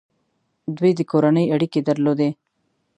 دوی د کورنۍ اړیکې درلودې.